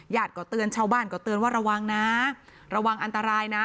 เตือนชาวบ้านก็เตือนว่าระวังนะระวังอันตรายนะ